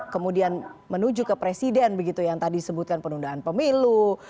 kemudian menuju ke presiden begitu yang tadi sebutkan penundaan pemilu